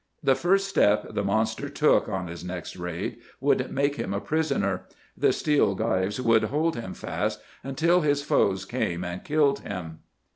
The first step the monster took on his next raid would make him a prisoner; the steel gyves would hold him fast until his foes came and killed him.